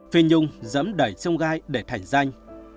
phi nhung dẫm đẩy trông gai để thành danh